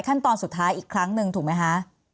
ขั้นตอนสุดท้ายอีกครั้งหนึ่งถูกไหมคะ